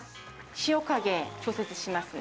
塩加減、調節しますね。